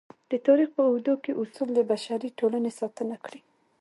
د تاریخ په اوږدو کې اصول د بشري ټولنې ساتنه کړې.